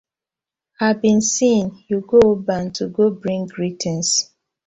I been sen yu go Oban to go bring greetins.